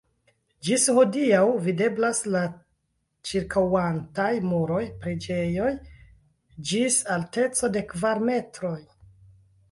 Ĝis hodiaŭ videblas la ĉirkaŭantaj muroj preĝejoj (ĝis alteco de kvar metroj).